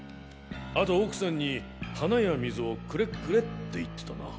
あと奥さんに花や水をクレクレって言ってたなぁ。